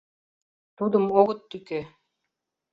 — Тудым огыт тӱкӧ...